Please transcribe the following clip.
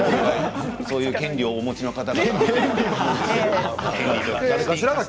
そういう権利をお持ちの方。